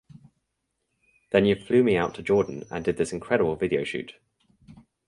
Then you flew me out to Jordan and did this incredible video shoot.